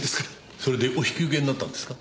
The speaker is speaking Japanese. それでお引き受けになったんですか？